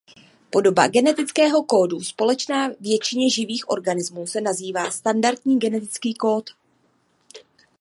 Podoba genetického kódu společná většině živých organismů se nazývá standardní genetický kód.